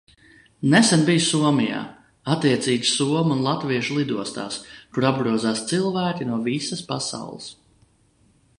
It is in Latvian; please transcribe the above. Nesen biju Somijā, attiecīgi somu un latviešu lidostās, kur apgrozās cilvēki no visas pasaules.